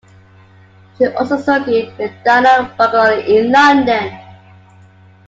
She also studied with Dino Borgioli in London.